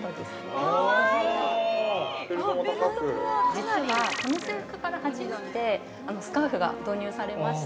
◆実は、この制服から初めてスカーフが導入されまして。